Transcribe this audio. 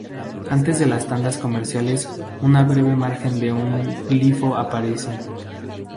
Antes de las tandas comerciales, una breve imagen de un glifo aparece.